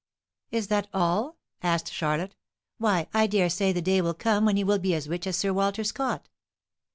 "Is that all?" asked Charlotte. "Why, I dare say the day will come when you will be as rich as Sir Walter Scott."